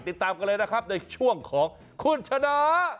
ติดตามกันเลยนะครับในช่วงของคุณชนะ